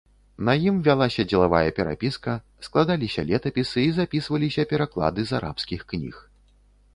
На ім вялася дзелавая перапіска, складаліся летапісы і запісваліся пераклады з арабскіх кніг.